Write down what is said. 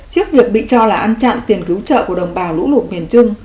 trước việc bị cho là ăn chặn tiền cứu trợ của đồng bào lũ lụt miền trung